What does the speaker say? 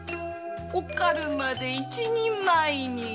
おかるまで一人前に。